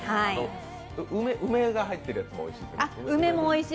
梅が入ってるやつもおいしい。